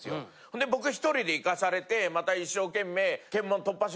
で僕１人で行かされてまた一生懸命。